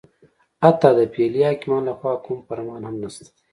حتی د فعلي حاکمانو لخوا کوم فرمان هم نشته دی